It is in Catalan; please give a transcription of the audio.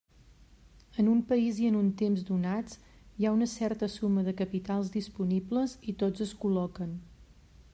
En un país i en un temps donats, hi ha una certa suma de capitals disponibles i tots es col·loquen.